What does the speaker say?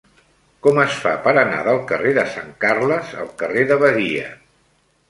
Com es fa per anar del carrer de Sant Carles al carrer de Badia?